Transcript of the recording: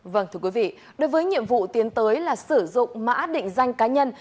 vâng thưa quý vị đối với nhiệm vụ tiến tới là sử dụng mã định danh cá nhân